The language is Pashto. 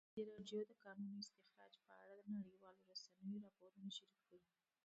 ازادي راډیو د د کانونو استخراج په اړه د نړیوالو رسنیو راپورونه شریک کړي.